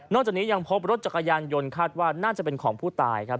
จากนี้ยังพบรถจักรยานยนต์คาดว่าน่าจะเป็นของผู้ตายครับ